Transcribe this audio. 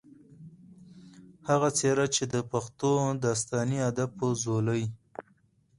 هغه څېره چې د پښتو داستاني ادب پۀ ځولۍ